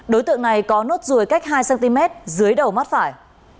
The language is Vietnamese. đối tượng này có nốt ruồi cách hai cm dưới đầu mắt phải